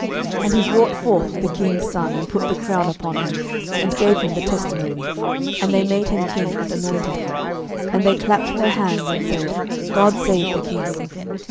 12:011:012 And he brought forth the king's son, and put the crown upon him, and gave him the testimony; and they made him king, and anointed him; and they clapped their hands, and said, God save the king.